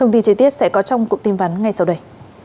đi tiết sẽ có trong cuộc tin vấn ngay sau đây